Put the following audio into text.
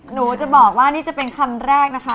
หนูจะบอกว่านี่จะเป็นคำแรกนะคะ